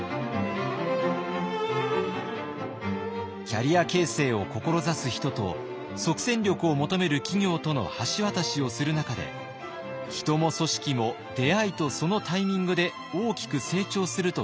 キャリア形成を志す人と即戦力を求める企業との橋渡しをする中で人も組織も出会いとそのタイミングで大きく成長すると実感しています。